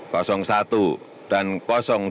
turun pertama ulangigip